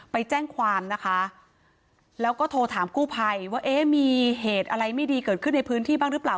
ไปแจ้งความนะคะแล้วก็โทรถามกู้ภัยว่าเอ๊ะมีเหตุอะไรไม่ดีเกิดขึ้นในพื้นที่บ้างหรือเปล่า